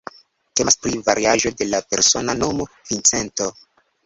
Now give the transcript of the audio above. Temas pri variaĵo de la persona nomo "Vincento".